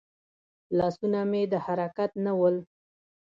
لاسونه مې د حرکت نه ول.